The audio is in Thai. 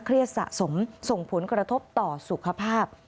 เครียดสะสมส่งผลกระทบต่อสุขภาพ